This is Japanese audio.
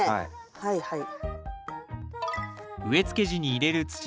はいはい。